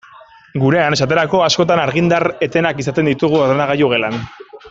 Gurean, esaterako, askotan argindar etenak izaten ditugu ordenagailu gelan.